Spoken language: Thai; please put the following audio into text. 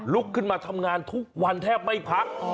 ลุกขึ้นมาทำงานทุกวันแทบไม่พัก